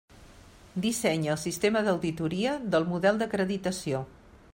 Dissenya el sistema d'auditoria del model d'acreditació.